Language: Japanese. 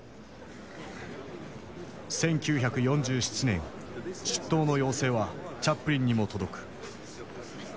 １９４７年出頭の要請はチャップリンにも届く。